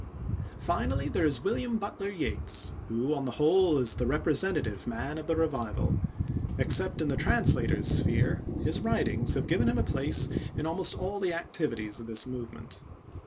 Finally there is William Butler Yeats, who, on the whole, is the representative man of the Revival. Except in the translator's sphere, his writings have given him a place in almost all the activities of this movement.